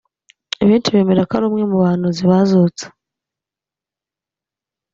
Benshi bemera ko ari umwe mu bahanuzi bazutse